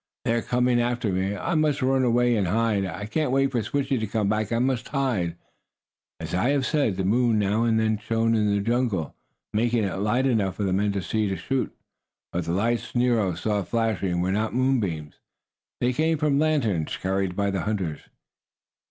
"They are coming after me! I must run away and hide! I can't wait for Switchie to come back! I must hide!" As I have said, the moon now and then shone in the jungle, making it light enough for men to see to shoot. But the lights Nero saw flashing were not moonbeams. They came from lanterns carried by the hunters.